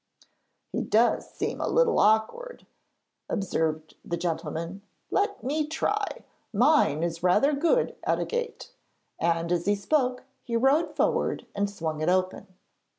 'He does seem a little awkward,' observed the gentleman. 'Let me try: mine is rather good at a gate,' and as he spoke he rode forward and swung it open.